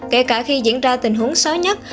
kể cả khi diễn ra tình huống xấu nhất